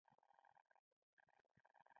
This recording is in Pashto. ایا زه باید ماشوم ته پوډري شیدې ورکړم؟